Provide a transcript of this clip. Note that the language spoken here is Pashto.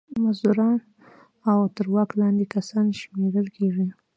مزدوران او تر واک لاندې کسان شمېرل کیږي.